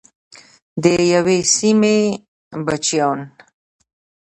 د یوې سیمې بچیان.